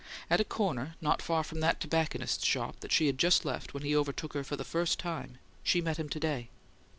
At a corner, not far from that tobacconist's shop she had just left when he overtook her and walked with her for the first time, she met him to day.